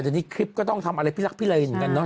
แต่จะนี้คลิปก็ต้องทำอะไรผิดหลักผิดไรเหมือนกันเนอะ